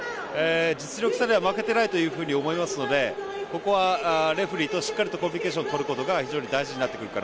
実力差では負けてないと思いますのでここはレフリーとしっかりとコミュニケーションをとることが大事かなと。